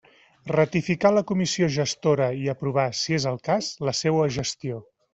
Ratificar la Comissió Gestora i aprovar, si és el cas, la seua gestió.